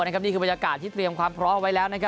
นี่คือบรรยากาศที่เตรียมความพร้อมไว้แล้ว